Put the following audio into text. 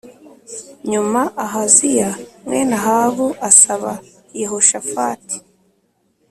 Nyuma Ahaziya mwene Ahabu asaba Yehoshafati